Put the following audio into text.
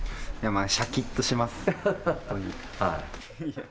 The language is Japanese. シャキッとします。